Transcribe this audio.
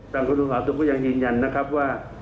จากคุณภาพทุกคนยังยืนยันว่า